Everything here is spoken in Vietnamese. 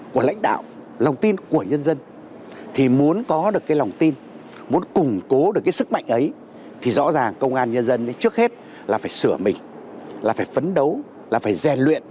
của lãnh đạo lòng tin của nhân dân thì muốn có được cái lòng tin muốn củng cố được cái sức mạnh ấy thì rõ ràng công an nhân dân trước hết là phải sửa mình là phải phấn đấu là phải rèn luyện